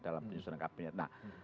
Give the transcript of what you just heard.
dalam penyusunan kabinet